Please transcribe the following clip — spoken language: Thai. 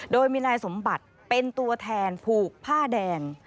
โดยมีนายสมบัติเป็นตัวแทนผูกผ้าแดง